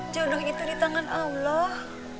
jodoh itu di tangan allah